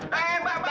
tante dulu pak